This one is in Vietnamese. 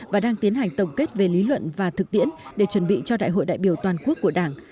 và đang tiến hành tổng kết về lý luận và thực tiễn để chuẩn bị cho đại hội đại biểu toàn quốc của đảng